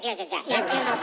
野球の！